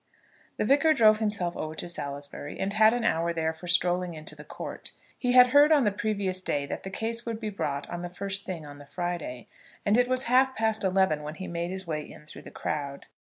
The Vicar drove himself over to Salisbury and had an hour there for strolling into the court. He had heard on the previous day that the case would be brought on the first thing on the Friday, and it was half past eleven when he made his way in through the crowd.